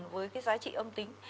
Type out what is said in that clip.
với cái giá trị âm tính